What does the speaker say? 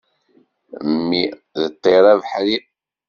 Mmi d ṭṭir abeḥri.